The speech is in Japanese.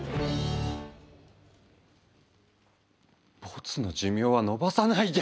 ボツの寿命は延ばさないで！